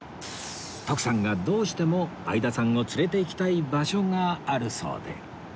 徳さんがどうしても相田さんを連れて行きたい場所があるそうで